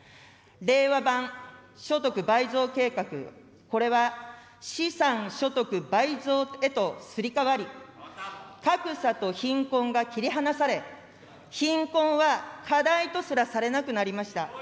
令和版所得倍増計画、これは資産・所得倍増へとすり替わり、格差と貧困が切り離され、貧困は課題とすらされなくなりました。